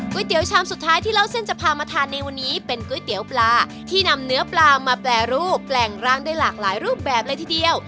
เตี๋ยวชามสุดท้ายที่เล่าเส้นจะพามาทานในวันนี้เป็นก๋วยเตี๋ยวปลาที่นำเนื้อปลามาแปรรูปแปลงร่างได้หลากหลายรูปแบบเลยทีเดียว